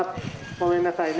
ごめんなさいね。